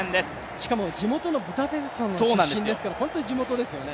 しかも地元のブダペストの出身ですから、本当に地元ですよね。